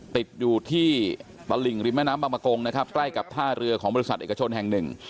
ติดอยู่ที่ตลิ่งริมแม่น้ำบางมะกงนะครับใกล้กับท่าเรือของบริษัทเอกชนแห่งหนึ่ง